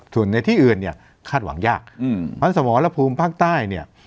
ส่วนในที่อื่นเนี่ยคาดหวังยากเพราะฉะนั้นสมรภูมิภาคใต้เนี่ย